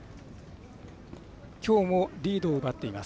きょうもリードを奪っています。